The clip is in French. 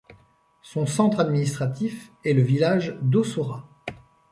Son centre administratif est le village d'Ossora.